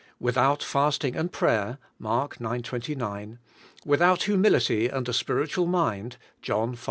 Without fasting and prayer {Marie ix. 29)^ without humility and a spiritual mind {John v.